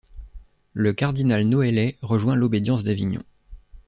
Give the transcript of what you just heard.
Le cardinal Noellet rejoint l'obédience d'Avignon.